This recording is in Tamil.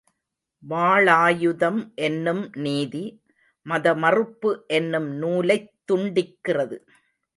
வாளாயுதம் என்னும் நீதி, மதமறுப்பு என்னும் நூலைத் துண்டிக்கிறது.